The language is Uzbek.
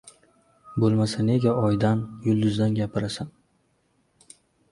Bo‘lmasa nega oydan, yulduzdan gapirasan?